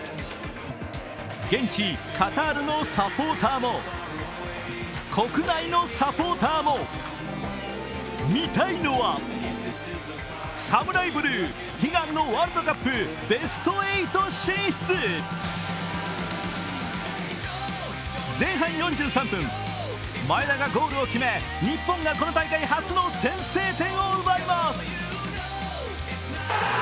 現地カタールのサポーターも国内のサポーターも見たいのはサムライブルー、悲願のワールドカップベスト８進出前半４３分、前田がゴールを決め、日本がこの大会初の先制点を奪います。